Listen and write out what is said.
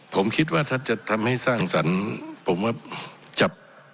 ผมคิดว่าถ้าจะทำให้สร้างสรรค์ผมก็จับ